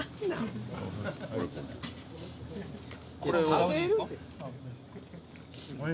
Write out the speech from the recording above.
食べるて。